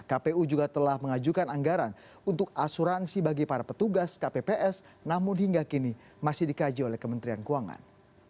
kpu juga telah mengajukan anggaran untuk asuransi bagi para petugas kpps namun hingga kini masih dikaji oleh kementerian keuangan